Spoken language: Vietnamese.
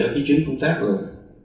khi chuyến công tác rồi